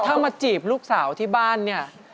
ถ้ามาจีบลูกสาวที่บ้านเนี่ย